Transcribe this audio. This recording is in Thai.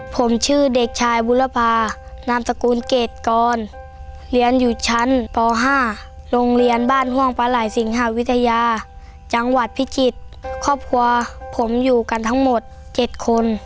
ผมชื่อเด็กชายบุรพานามสกุลเกรดกรเรียนอยู่ชั้นป๕โรงเรียนบ้านห่วงปลาไหล่สิงหาวิทยาจังหวัดพิจิตรครอบครัวผมอยู่กันทั้งหมด๗คน